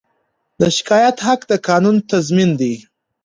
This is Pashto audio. د شکایت حق د قانون تضمین دی.